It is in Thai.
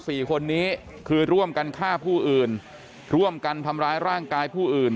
สี่คนนี้คือร่วมกันฆ่าผู้อื่นร่วมกันทำร้ายร่างกายผู้อื่น